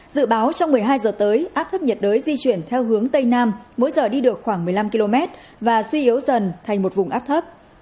dự báo trong một mươi hai giờ tới áp thấp nhiệt đới di chuyển theo hướng tây nam mỗi giờ đi được khoảng một mươi năm km và suy yếu dần thành một vùng áp thấp